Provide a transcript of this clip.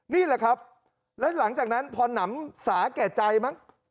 นี่แหละครับแล้วหลังจากนั้นพอหนำสาแก่ใจมั้ง